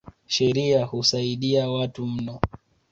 Sheria husaidi watu mno.